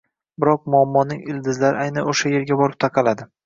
biroq muammoning ildizlari aynan o‘sha yerga borib taqaladi.